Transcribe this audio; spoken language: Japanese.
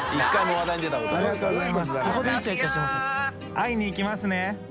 会いに行きますね。